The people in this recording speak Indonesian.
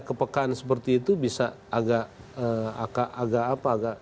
kepekaan seperti itu bisa agak